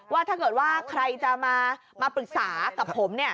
ว่าถ้าเกิดว่าใครจะมาปรึกษากับผม